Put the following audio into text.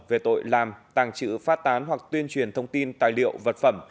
về tội làm tàng trữ phát tán hoặc tuyên truyền thông tin tài liệu vật phẩm